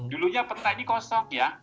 dulunya peta ini kosong ya